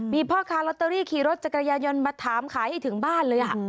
มีพ่อค้าลอตเตอรี่ขี่รถจักรยายนมาถามขายให้ถึงบ้านเลย